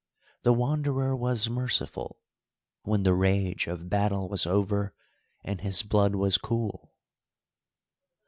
The Wanderer was merciful, when the rage of battle was over, and his blood was cool.